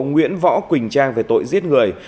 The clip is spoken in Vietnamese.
nguyễn võ quỳnh trang về tội giết người